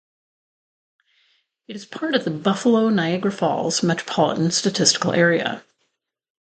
It is part of the Buffalo-Niagara Falls Metropolitan Statistical Area.